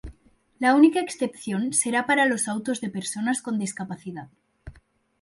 La única excepción será para los autos de personas con discapacidad.